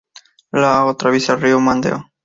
Lo atraviesa el río Mandeo.